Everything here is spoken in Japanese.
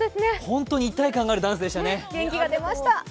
本当に一体感があるダンスでしたね。